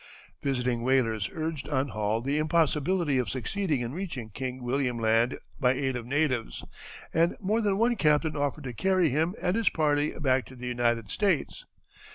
Visiting whalers urged on Hall the impossibility of succeeding in reaching King William Land by aid of natives, and more than one captain offered to carry him and his party back to the United States.